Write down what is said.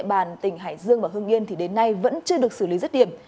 trên địa bàn tỉnh hải dương và hưng yên thì đến nay vẫn chưa được xử lý rất điểm